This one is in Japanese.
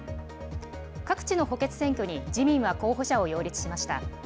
各地の補欠選に自民は候補者を擁立しました。